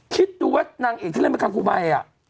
คิดดูว่านางเอกที่เล่นเป็นคังครูใบ